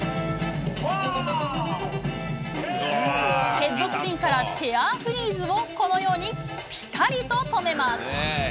ヘッドスピンからチェアフリーズをこのようにぴたりと止めます。